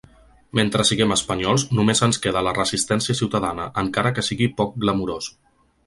Mentre siguem espanyols només ens queda la resistència ciutadana, encara que sigui poc glamurós.